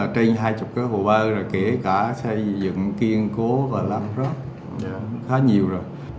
trên hai mươi hồ bơi kể cả xây dựng kiên cố và làm rớt khá nhiều rồi